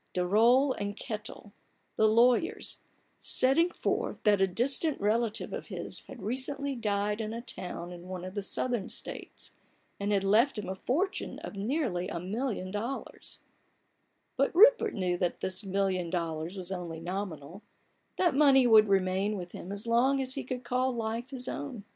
Daroll and Kettel, the lawyers, setting forth that a distant relative of his had recently died in a town in one of the Southern States, and had left him a fortune of nearly a million dollars But Rupert knew that this million dollars was only nominal, that money would remain with him as long as he could call life his own.